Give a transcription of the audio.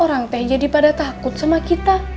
orang pengen jadi pada takut sama kita